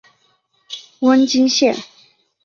瓮津线